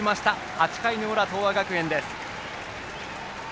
８回の裏、東亜学園です。